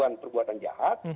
itu adalah perbuatan jahat